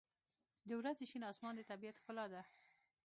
• د ورځې شین آسمان د طبیعت ښکلا ده.